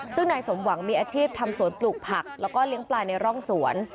ซึ่งนายสมหวังมีอาชีพทำสวนปลูกผักแล้วก็เลี้ยงปลาในร่องสวน